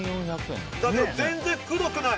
だけど全然、くどくない！